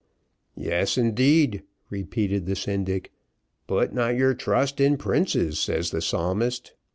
"Yes, indeed," repeated the syndic, "'put not your trust in princes,' says the psalmist.